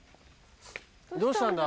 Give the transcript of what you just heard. どうしたんだ？